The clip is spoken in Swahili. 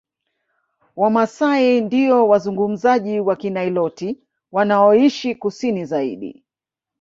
Wamasai ndio wazungumzaji wa Kiniloti wanaoishi Kusini zaidi